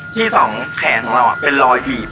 ที่สองแขนของเราเป็นรอยบีบ